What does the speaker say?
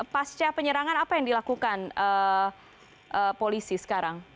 pasca penyerangan apa yang dilakukan polisi sekarang